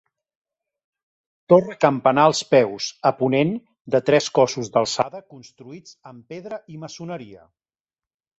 Torre campanar als peus, a ponent, de tres cossos d'alçada construïts amb pedra i maçoneria.